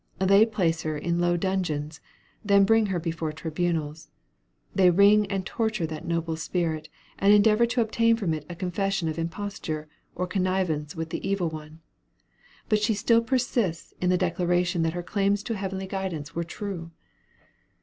They place her in low dungeons, then bring her before tribunals; they wring and torture that noble spirit, and endeavor to obtain from it a confession of imposture, or connivance with the "evil one;" but she still persists in the declaration that her claims to a heavenly guidance were true.